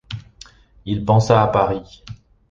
Il pensa à Paris.